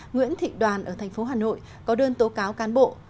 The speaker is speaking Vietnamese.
nguyễn thị đoàn ở thành phố hà nội có đơn tố cáo cán bộ